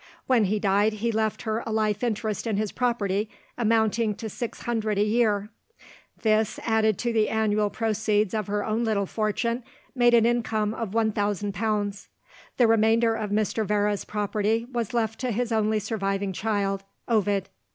When he died, he left her a life interest in his property amounting to six hundred a year. This, added to the annual proceeds of her own little fortune, made an income of one thousand pounds. The remainder of Mr. Vere's property was left to his only surviving child, Ovid.